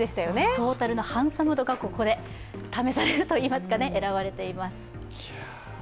トータルのハンサム度がここで試されるといいますか選ばれています。